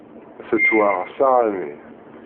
Tettwaɣ ssaɛa-nni.